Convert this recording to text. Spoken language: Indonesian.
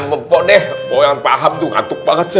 mumpode mau yang paham tuh ngantuk banget ya